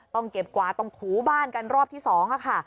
ต้องเก็บกวาดตรงถูบ้านกันรอบที่๒ค่ะ